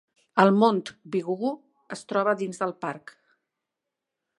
El Mont Bigugu es troba dins del parc.